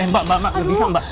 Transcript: eh mbak mbak mbak gak bisa mbak